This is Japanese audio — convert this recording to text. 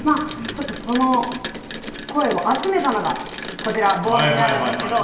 その声を集めたのがこちら、ボードになるんですけれども。